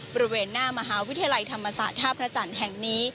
บริเวณหน้ามหาวิทยาลัยธรรมศาสตร์ท่าพระจันทร์แห่งนี้